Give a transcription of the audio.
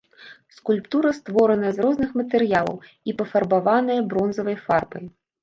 Скульптура створаная з розных матэрыялаў і пафарбаваная бронзавай фарбай.